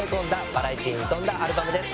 バラエティに富んだアルバムです。